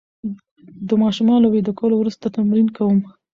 د ماشومانو له ویده کولو وروسته تمرین کوم.